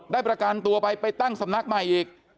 ประกันตัวไปไปตั้งสำนักใหม่อีก